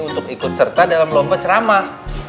untuk ikut serta dalam lomba ceramah